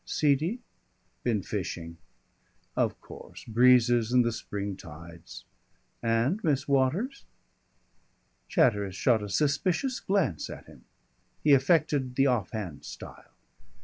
"Seedy?" "Been fishing." "Of course. Breezes and the spring tides.... And Miss Waters?" Chatteris shot a suspicious glance at him. He affected the offhand style.